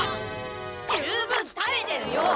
十分食べてるよ！